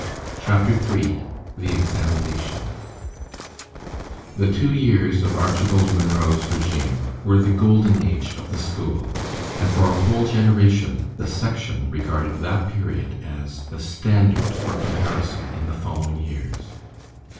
CHAPTER III THE EXAMINATION The two years of Archibald Munro's regime were the golden age of the school, and for a whole generation "The Section" regarded that period as the standard for comparison in the following years.